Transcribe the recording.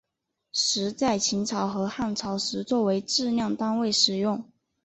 石在秦朝和汉朝时作为质量单位使用。